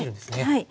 はい。